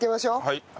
はい。